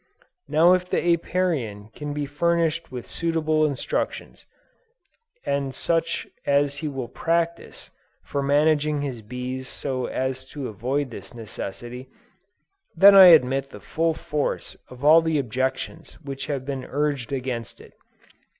Now if the Apiarian can be furnished with suitable instructions, and such as he will practice, for managing his bees so as to avoid this necessity, then I admit the full force of all the objections which have been urged against it.